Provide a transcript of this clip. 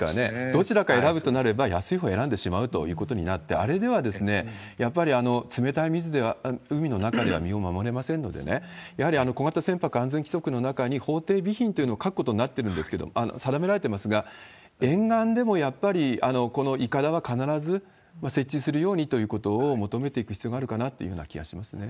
どちらか選ぶとなれば、安いほう選んでしまうということになって、あれではやっぱり、冷たい海の中では身を守れませんのでね、やはり小型船舶安全規則の中に、法定備品というのを書くことになってるんですけど、定められてますが、沿岸でもやっぱりこのいかだは必ず設置するようにということを求めていく必要があるかなというふうには気がしますね。